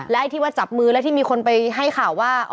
ไอ้ที่ว่าจับมือแล้วที่มีคนไปให้ข่าวว่า